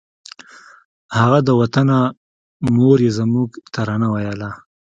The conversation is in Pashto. هغه د وطنه مور یې زموږ ترانه وویله